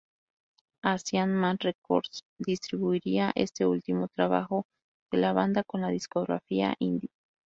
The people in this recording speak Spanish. Asian Man Records distribuiría este último trabajo de la banda con la discográfica indie.